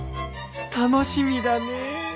楽しみだねえ。